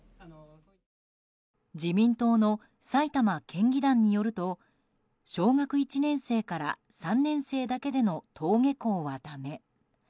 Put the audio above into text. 自民党の埼玉県議団によると小学１年生から３年生だけでの登下校はだめ。